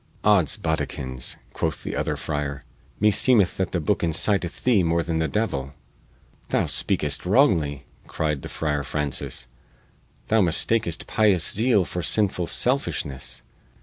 "Odds boddikins," quoth the other friar, "me seemeth that the booke inciteth thee more than the devil." "Thou speakest wrongly," cried the Friar Francis. "Thou mistakest pious zeal for sinful selfishness.